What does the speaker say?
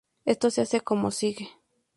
Esto se hace como sigue.